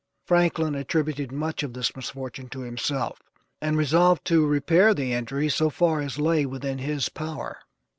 Franklin attributed much of this misfortune to himself, and resolved to repair the injury so far as lay within his power.